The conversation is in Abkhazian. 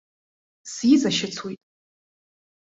Сиҵашьыцуеит.